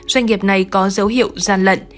doanh nghiệp này có dấu hiệu gian lận